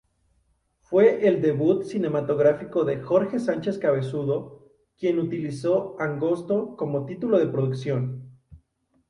Fue el debut cinematográfico de Jorge Sánchez-Cabezudo, quien utilizó Angosto como título de producción.